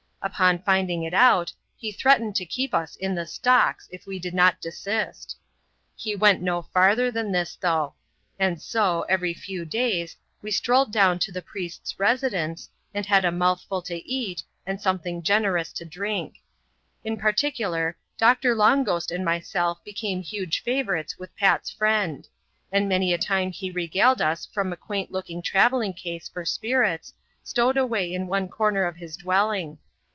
Upon finding it out, he threats cned to keep us in the stocks, if we did not desist. He went no farther than this, though ; and so, every few days, we strolled down to the priest's residence, and had a mouthful to eat, and something generous to drink. In particular. Dr. Long Ghost and myself became huge favourites with Pafs friend; and many a time he regaled us from a quaint looking travelling case for spirits, stowed away in one comer of his dwelling.